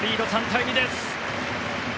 ３対２です。